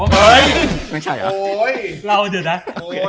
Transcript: ไม่ใช่หรอโอ้ยตายแล้ว